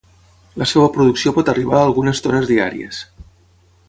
La seva producció pot arribar a algunes tones diàries.